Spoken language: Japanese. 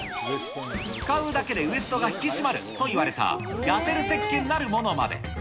使うだけでウエストが引き締まるといわれた痩せるせっけんなるものまで。